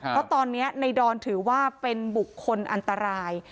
เพราะตอนนี้ในดอนถือว่าเป็นบุคคลอันตราย